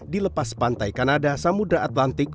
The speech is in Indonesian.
dilepas pantai kanada samudera atlantik